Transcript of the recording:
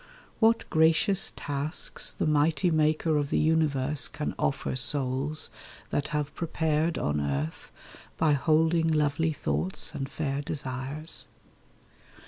What gracious tasks The Mighty Maker of the universe Can offer souls that have prepared on earth By holding lovely thoughts and fair desires!